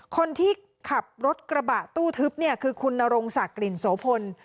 คนที่ขับรถกระบะตู้ทึบเนี่ยคือคุณนรงศักดิ์กลิ่นโสพล